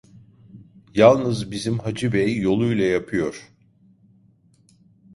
Yalnız bizim Hacı Bey yoluyla yapıyor.